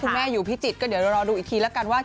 แม่อยู่พิจิตรก็เดี๋ยวรอดูอีกทีแล้วกันว่า